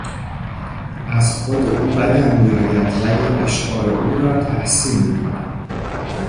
از خود او بدم میآید ولی اشعار او را تحسین میکنم.